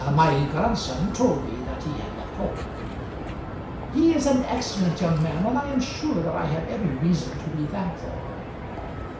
"My grandson told me that he had left home." "He is an excellent young man, and I am sure that I have every reason to be thankful."